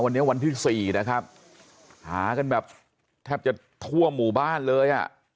วันนี้วันที่สี่นะครับหากันแบบแทบจะทั่วหมู่บ้านเลยอ่ะ